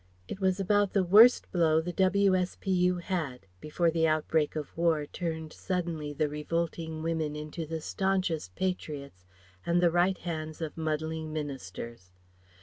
It was about the worst blow the W.S.P.U. had; before the outbreak of War turned suddenly the revolting women into the stanchest patriots and the right hands of muddling ministers.